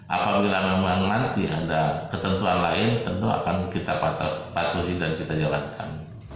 apabila memang nanti ada ketentuan lain tentu akan kita patuhi dan kita jalankan